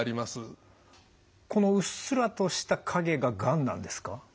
このうっすらとした影ががんなんですか？